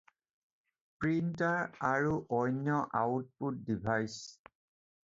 Printer আৰু অন্য output device.